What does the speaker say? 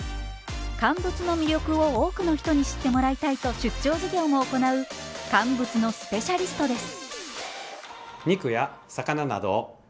乾物の魅力を多くの人に知ってもらいたいと出張授業も行う乾物のスペシャリストです。